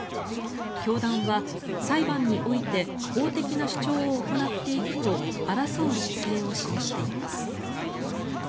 教団は、裁判において法的な主張を行っていくと争う姿勢を示しています。